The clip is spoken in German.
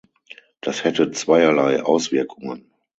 Das hätte zweierlei Auswirkungen.